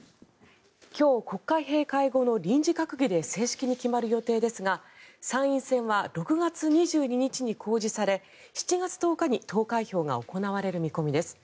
今日、国会閉会後の臨時閣議で正式に決まる予定ですが参院選は６月２２日に公示され７月１０日に投開票が行われる見込みです。